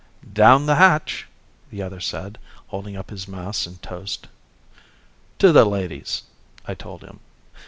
"Down the hatch," the other said, holding up his mass in toast. "To the ladies," I told him.